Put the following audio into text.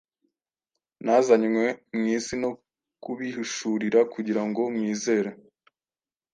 Nazanywe mu isi no kubihishurira kugira ngo mwizere.